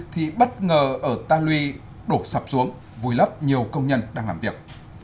thì bất ngờ ở ta lui đổ sập xuống vùi lấp nhiều công nhân đang làm việc